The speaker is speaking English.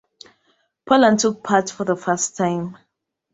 Poland took part for the first time.